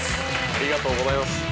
ありがとうございます。